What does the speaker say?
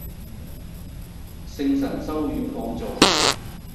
聖神修院舊座